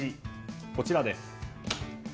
こちらです。